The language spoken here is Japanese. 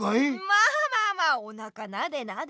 まあまあまあおなかなでなで。